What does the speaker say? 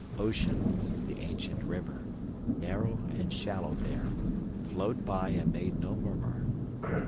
Ocean, the ancient river, narrow and shallow there, flowed by and made no murmur.